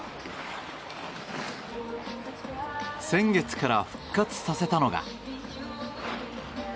先月から復活させたのが。